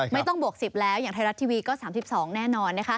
บวก๑๐แล้วอย่างไทยรัฐทีวีก็๓๒แน่นอน